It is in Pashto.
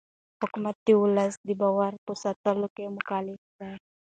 حکومت د ولس د باور په ساتلو مکلف دی